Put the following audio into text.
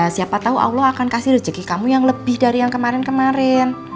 siapa tahu allah akan kasih rezeki kamu yang lebih dari yang kemarin kemarin